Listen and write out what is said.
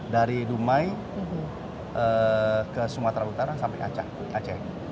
dari dumai ke sumatera utara sampai aceh